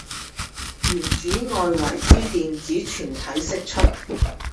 原子外圍之電子全體釋出